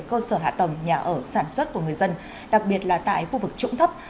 cơ sở hạ tầng nhà ở sản xuất của người dân đặc biệt là tại khu vực trũng thấp